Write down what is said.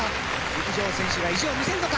陸上選手が意地を見せるのか。